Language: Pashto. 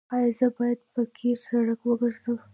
ایا زه باید په قیر سړک وګرځم؟